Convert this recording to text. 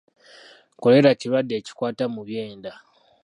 Kkolera kirwadde ekikwata mu byenda.